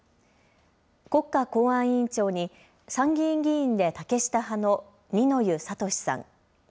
国家公安委員長に参議院議員で竹下派の二之湯智さん。